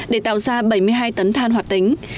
để tạo ra bảy mươi hai tấn than hoạt tính